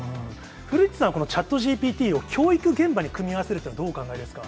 古市さんはこのチャットＧＰＴを教育現場に組み合わせるというのは、どうお考えですか？